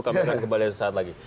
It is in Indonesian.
kami akan kembali sesaat lagi